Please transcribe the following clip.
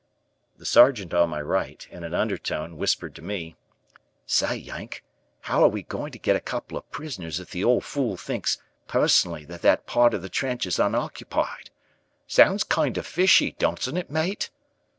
The Sergeant on my right, in an undertone, whispered to me: "Say, Yank, how are we going to get a couple of prisoners if the old fool thinks 'personally that that part of the trench is unoccupied,' sounds kind of fishy, doesn't it mate?"